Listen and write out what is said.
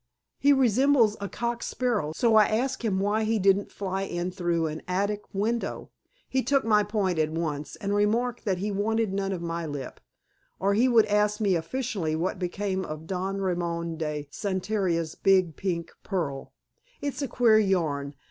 He resembles a cock sparrow, so I asked him why he didn't fly in through an attic window. He took my point at once, and remarked that he wanted none of my lip, or he would ask me officially what became of Don Ramon de Santander's big pink pearl. It's a queer yarn.